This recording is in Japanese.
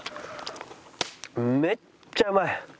めっちゃうまい！